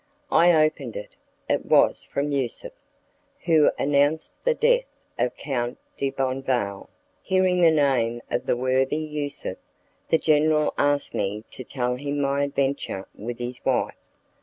I opened it; it was from Yusuf, who announced the death of Count de Bonneval. Hearing the name of the worthy Yusuf, the general asked me to tell him my adventure with his wife.